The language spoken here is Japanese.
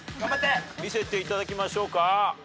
見せていただきましょうか？